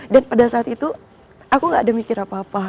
dan pada saat itu aku gak ada mikir apa apa